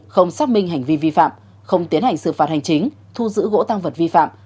không xác minh hành vi vi phạm không tiến hành xử phạt hành chính thu giữ gỗ tăng vật vi phạm